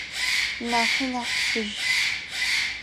Нахьи нахь фыжь.